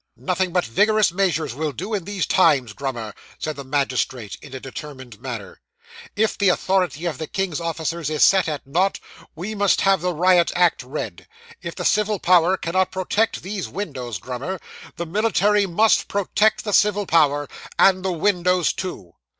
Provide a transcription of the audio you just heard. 'Nothing but vigorous measures will do in these times, Grummer,' said the magistrate, in a determined manner. 'If the authority of the king's officers is set at naught, we must have the riot act read. If the civil power cannot protect these windows, Grummer, the military must protect the civil power, and the windows too.